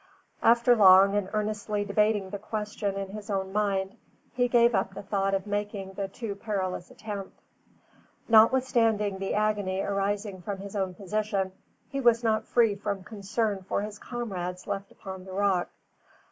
After long and earnestly debating the question in his own mind he gave up the thought of making the too perilous attempt. Notwithstanding the agony arising from his own position, he was not free from concern for his comrades left upon the rock.